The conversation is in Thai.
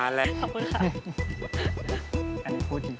อันนี้พูดจริง